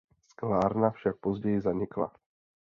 Sklárna však později zanikla.